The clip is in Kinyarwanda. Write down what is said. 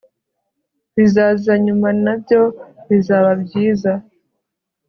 ibizaza nyuma nabyo bizaba byiza